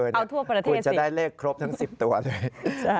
เอาทั่วประเทศคุณจะได้เลขครบทั้ง๑๐ตัวด้วย